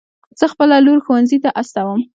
زه خپله لور ښوونځي ته استوم